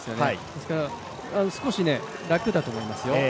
ですから、少し楽だと思いますよ。